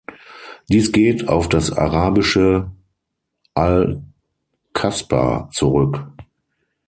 Dies geht auf das arabische "al-qasba" zurück.